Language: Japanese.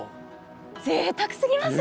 ぜいたくすぎますね。